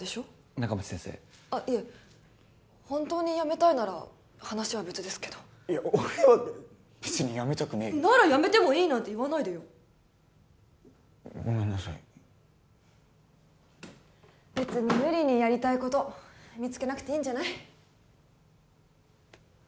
仲町先生あっいえ本当にやめたいなら話は別ですけどいや俺は別にやめたくねえけどならやめてもいいなんて言わないでよごめんなさい別に無理にやりたいこと見つけなくていいんじゃない？